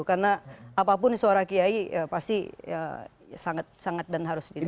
karena apapun suara kiai pasti sangat sangat dan harus dilihat